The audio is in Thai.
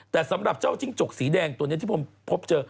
แต่สำหรับเจ้าจิ้งจกสีแดงตัวนี้ที่ผมพบเจอ